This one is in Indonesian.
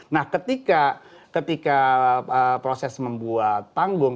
nah ketika proses membuat panggung